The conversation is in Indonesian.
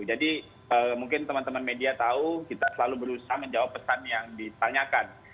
jadi mungkin teman teman media tahu kita selalu berusaha menjawab pesan yang ditanyakan